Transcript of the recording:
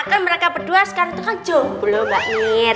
kan mereka berdua sekarang itu kan jomblo mbak mir